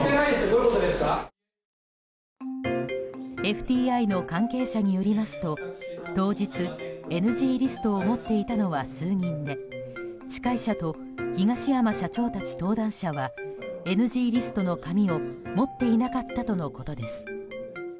ＦＴＩの関係者によりますと当日、ＮＧリストを持っていたのは数人で司会者と東山社長たち登壇者はＮＧリストの紙を持っていなかったとのことです。